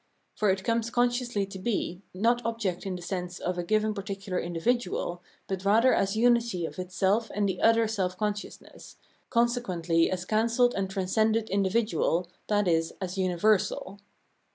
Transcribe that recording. For it comes con sciously to be, not object in the sense of a given particular individual, but rather as unity of its self and the other self consciousness, consequently as cancelled and tran scended individual, i.e. as imiversal.